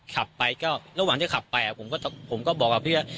ขับไปก็ระหว่างที่ขับไปอ่ะผมก็ผมก็บอกอ่ะพี่